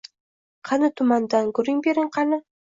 — Qani, tumandan gurung bering, qani?